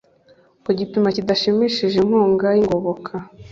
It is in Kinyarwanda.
ku gipimo kidashimishije inkunga y ingoboka